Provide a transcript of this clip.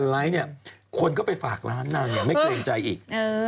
๑๘๐๐๐ไล้นี่คนก็ไปฝากร้านนางนี้ไม่เกรงใจอีก